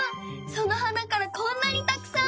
その花からこんなにたくさん？